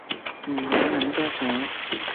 唔好諗多咗